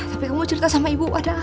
tapi kamu cerita sama ibu ada apa nak